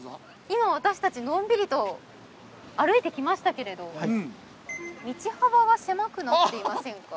今私たちのんびりと歩いてきましたけれど道幅が狭くなっていませんか？